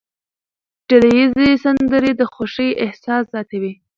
ډلهییزې سندرې د خوښۍ احساس زیاتوي.